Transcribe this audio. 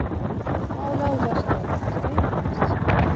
Маўляў, застой, стаім на месцы.